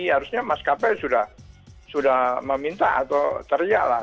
harusnya maskapai sudah meminta atau teriak lah